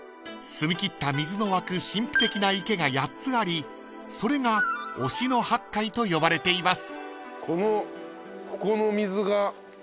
［澄みきった水の湧く神秘的な池が８つありそれが忍野八海と呼ばれています］